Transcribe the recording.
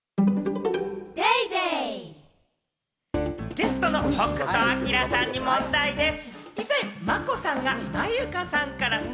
ゲストの北斗晶さんに問題でぃす！